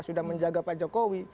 sudah menjaga pak jokowi